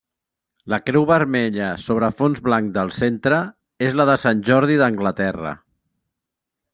La creu vermella sobre fons blanc del centre, és la de Sant Jordi d'Anglaterra.